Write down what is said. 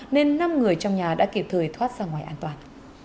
nên năm người trong nhà đã kịp thời thoát ra ngoài an toàn